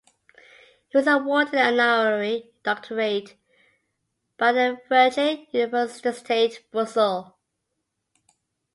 He was awarded an honorary doctorate by the Vrije Universiteit Brussel.